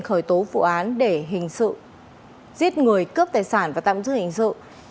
khởi tố vụ án để hình sự